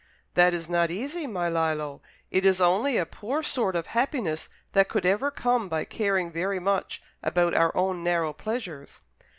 "That is not easy, my Lillo. It is only a poor sort of happiness that could ever come by caring very much about our own narrow pleasures.